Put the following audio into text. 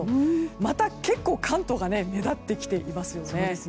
また結構関東が目立ってきていますよね。